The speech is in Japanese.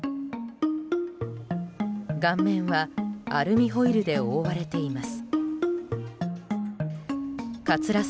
顔面は、アルミホイルで覆われています。